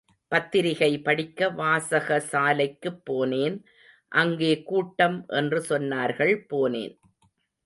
பத்திரிகை படிக்க வாசகசாலைக்குப் போனேன், அங்கே கூட்டம் என்று சொன்னார்கள், போனேன்.